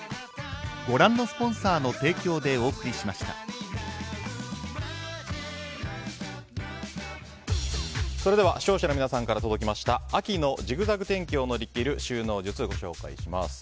「ＧＯＬＤ」も視聴者の皆さんから届きました秋のジグザグ天気を乗り切る収納術、ご紹介します。